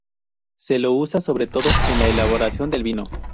Se lo usa sobre todo en la elaboración del vino.